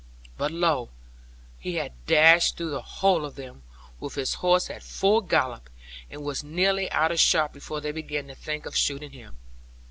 But lo, he had dashed through the whole of them, with his horse at full gallop; and was nearly out of shot before they began to think of shooting him.